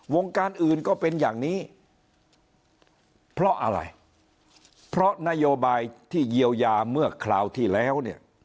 การอื่นก็เป็นอย่างนี้เพราะอะไรเพราะนโยบายที่เยียวยาเมื่อคราวที่แล้วเนี่ย